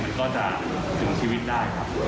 มันก็จะถึงชีวิตได้ครับ